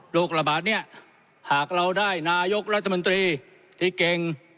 ระบาดเนี่ยหากเราได้นายกรัฐมนตรีที่เก่ง